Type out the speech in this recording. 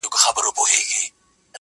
د چا او چا ژوند كي خوښي راوړي.